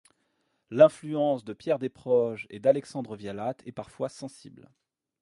L'influence de Pierre Desproges et d'Alexandre Vialatte est parfois sensible.